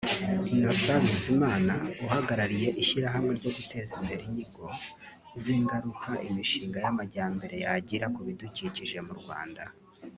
Innocent Bizimana uhagarariye ishyirahamwe ryo guteza imbere inyigo z’ingaruka imishinga y’amajyambere yagira ku bidukikije mu Rwanda